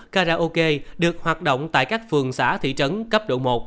karaoke được hoạt động tại các phường xã thị trấn cấp độ một